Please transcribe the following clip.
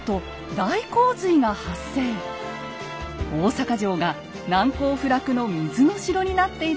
大坂城が難攻不落の水の城になっていたことが分かったのです。